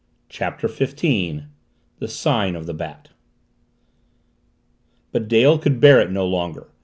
CHAPTER FIFTEEN THE SIGN OF THE BAT But Dale could bear it no longer.